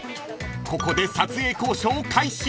［ここで撮影交渉開始］